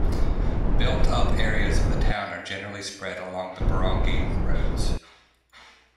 Built-up areas of the town are generally spread along the barangay roads.